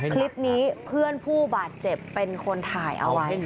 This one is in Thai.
คลิปนี้เพื่อนผู้บาดเจ็บเป็นคนถ่ายเอาไว้ค่ะ